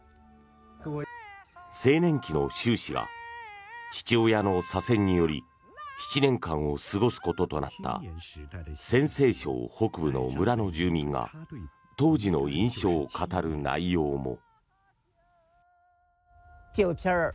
青年期の習氏が父親の左遷により７年間を過ごすこととなった陝西省北部の村の住民が当時の印象を語る内容も。